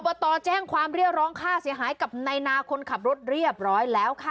ตแจ้งความเรียกร้องค่าเสียหายกับนายนาคนขับรถเรียบร้อยแล้วค่ะ